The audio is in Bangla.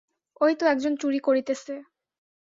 ঐ তো একজন চুরি করিতেছে।